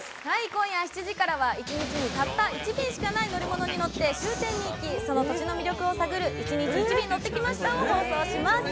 今夜７時からは一日にたった１便しかない乗り物に乗って終点に行き、その土地の魅力を探る『１日１便乗ってきました』を放送します。